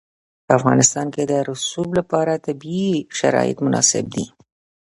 په افغانستان کې د رسوب لپاره طبیعي شرایط مناسب دي.